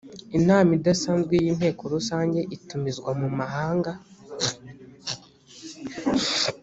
inama idasanzwe y inteko rusange itumizwa mu mamahanga